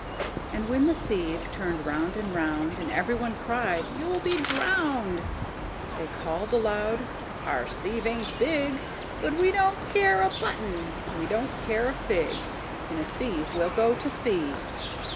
And when the sieve turn'd round and round, And every one cried, "You 'll be drown'd!"They call'd aloud, "Our sieve ain't big:But we don't care a button; we don't care a fig:In a sieve we 'll go to sea!"